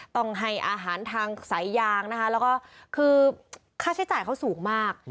ต้องให้อาหารทางสายยางนะคะแล้วก็คือค่าใช้จ่ายเขาสูงมาก